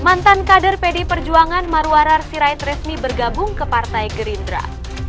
mantan kader pdi perjuangan marwarar sirait resmi bergabung ke partai gerindra